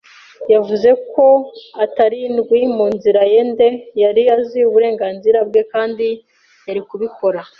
yavuze ko atarindwi, mu nzira ndende; yari azi uburenganzira bwe kandi yari kubikora